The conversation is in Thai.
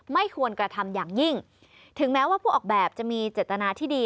ไม่ควรกระทำอย่างยิ่งถึงแม้ว่าผู้ออกแบบจะมีเจตนาที่ดี